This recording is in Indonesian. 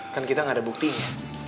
kan kita nggak ada buktinya